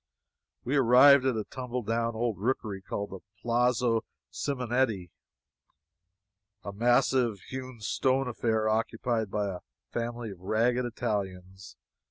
We arrived at a tumble down old rookery called the Palazzo Simonetti a massive hewn stone affair occupied by a family of ragged Italians.